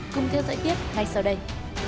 cùng theo dõi tiếp ngay sau đây